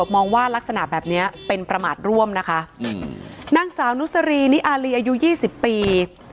มองว่ารักษณะแบบเนี้ยเป็นประมาทร่วมนะคะอืมนางสาวนุสรีนิอารีอายุยี่สิบปี